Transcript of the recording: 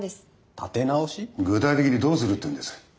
具体的にどうするっていうんです？